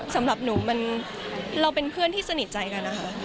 สำหรับหนูเราเป็นเพื่อนที่สนิทใจกันนะคะ